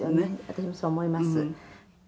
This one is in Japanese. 私もそう思います」